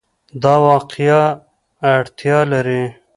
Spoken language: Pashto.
دا واقعیا اړتیا لري